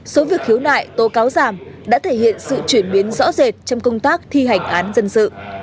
số việc khiếu nại tố cáo giảm đã thể hiện sự chuyển biến rõ rệt trong công tác thi hành án dân sự